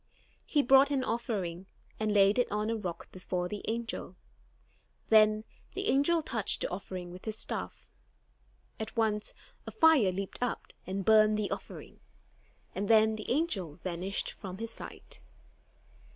He brought an offering, and laid it on a rock before the angel. Then the angel touched the offering with his staff. At once, a fire leaped up and burned the offering; and then the angel vanished from his sight.